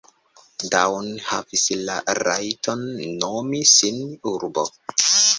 Daun havis la rajton nomi sin urbo.